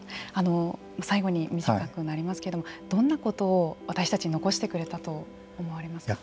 最後に短くなりますけれどもどんなことを私たちに残してくれたと思われますか。